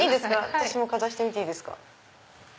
私もかざしてみていいですか。